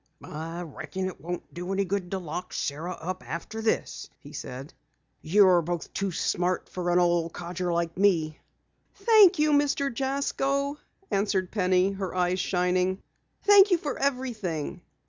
"I reckon it won't do any good to lock Sara up after this," he said. "You're both too smart for an old codger like me." "Thank you, Mr. Jasko," answered Penny, her eyes shining. "Thank you for everything."